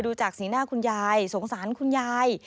จากสีหน้าคุณยายสงสารคุณยาย